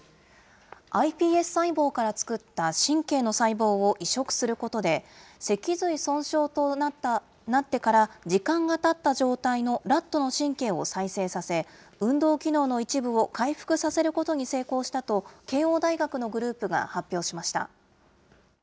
ｉＰＳ細胞から作った神経の細胞を移植することで、脊髄損傷となってから時間がたった状態のラットの神経を再生させ、運動機能の一部を回復させることに成功したと、慶応大学のグループが発表しました。